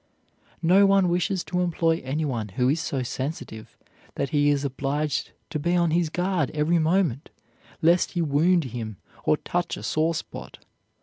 No one wishes to employ anyone who is so sensitive that he is obliged to be on his guard every moment lest he wound him or touch a sore spot.